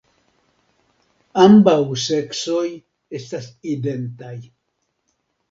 Ambaŭ seksoj estas identaj.